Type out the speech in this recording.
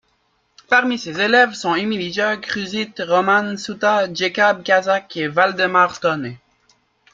Parmi ses élèves sont Emīlija Gruzīte, Romans Suta, Jēkabs Kazaks et Valdemārs Tone.